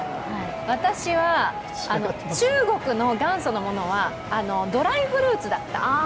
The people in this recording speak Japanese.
私は中国の元祖のものはドライフルーツだった。